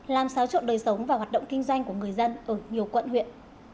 làm xáo trộn đời sống và hoạt động kinh doanh của người dân ở nhiều quận huyện